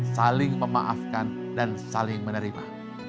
saling memaafkan dan saling menerima